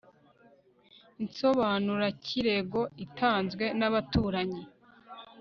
insobanurakirego itanzwe n'ababuranyi